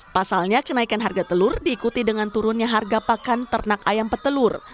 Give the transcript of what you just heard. pasalnya kenaikan harga telur diikuti dengan turunnya harga pakan ternak ayam petelur